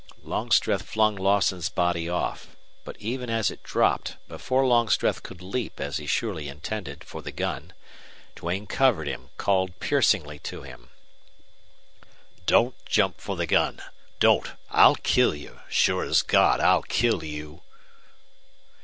Longstreth flung Lawson's body off. But even as it dropped, before Longstreth could leap, as he surely intended, for the gun, Duane covered him, called piercingly to him: "Don't jump for the gun! Don't! I'll kill you! Sure as God I'll kill you!"